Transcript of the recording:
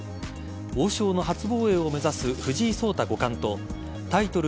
王将の初防衛を目指す藤井聡太五冠とタイトル